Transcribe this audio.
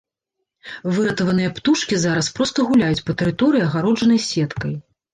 Выратаваныя птушкі зараз проста гуляюць па тэрыторыі, агароджанай сеткай.